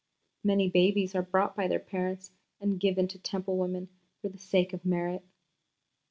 Many babies are brought by their parents and given to Temple women for the sake of merit.